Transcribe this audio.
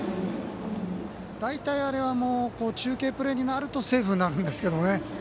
大体、中継プレーになるとセーフになるんですけどね。